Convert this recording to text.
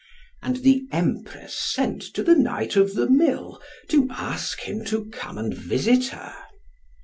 And the Empress sent to the Knight of the Mill, to ask him to come and visit her.